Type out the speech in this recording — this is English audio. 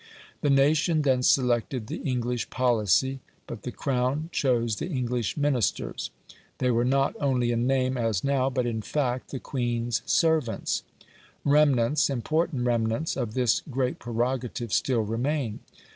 The nation then selected the English policy, but the Crown chose the English Ministers. They were not only in name, as now, but in fact, the Queen's servants. Remnants, important remnants, of this great prerogative still remain.